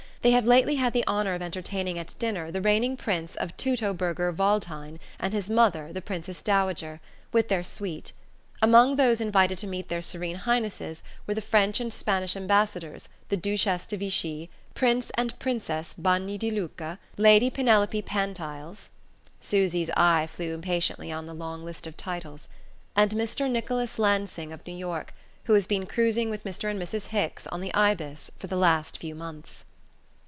They have lately had the honour of entertaining at dinner the Reigning Prince of Teutoburger Waldhain and his mother the Princess Dowager, with their suite. Among those invited to meet their Serene Highnesses were the French and Spanish Ambassadors, the Duchesse de Vichy, Prince and Princess Bagnidilucca, Lady Penelope Pantiles " Susy's eye flew impatiently on over the long list of titles "and Mr. Nicholas Lansing of New York, who has been cruising with Mr. and Mrs. Hicks on the Ibis for the last few months."